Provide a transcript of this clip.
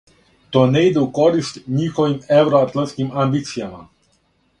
То не иде у корист њиховим евроатлантским амбицијама.